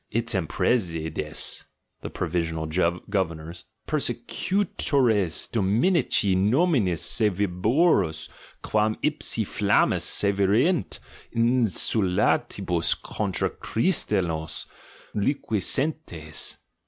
Item presides" (the provisional governors) "persecutores dom inici notninis sevvioribus quam ipsi flammis sccvierunt in sultantibus contra CJtristianos liquescentcs!